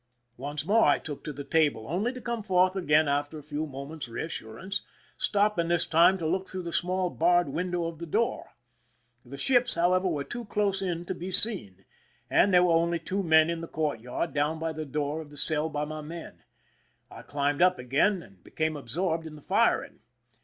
ui ' IMPRISONMENT IN MORRO CASTLE more I took to the table, only to come forth again after a few moments' reassurance, stopping this time to look through the small barred window of the door. The ships, however, were too close in to be seen, and there were only two men in the court yard, down by the door of the cell of my men. I climbed up again, and became absorbed in the firing.